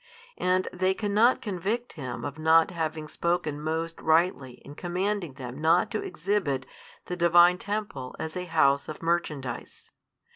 And they cannot convict Him of not having spoken most rightly in commanding them not to exhibit the Divine Temple as a house of merchandise.